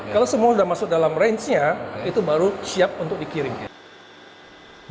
kalau semua sudah masuk dalam rangenya itu baru siap untuk dikirim